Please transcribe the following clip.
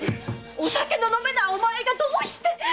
お酒の飲めないお前がどうして？〕